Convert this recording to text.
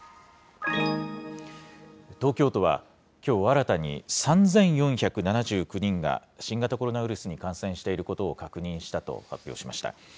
東京都はきょう新たに、３４７９人が新型コロナウイルスに感染していることを確認したと発表しました。